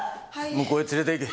向こうへ連れて行け。